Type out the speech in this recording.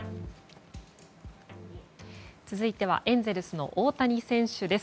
続いてはエンゼルスの大谷選手です。